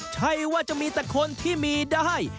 ใช่ว่าจะมีแต่คนที่มีได้